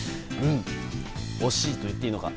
惜しいと言っていいのか。